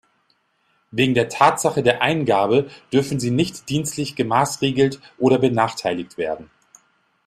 Wegen der Tatsache der Eingabe dürfen sie nicht dienstlich gemaßregelt oder benachteiligt werden.